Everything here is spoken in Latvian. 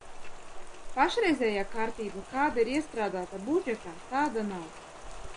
Pašreizējā kārtība, kāda ir iestrādāta budžetā, tāda nav.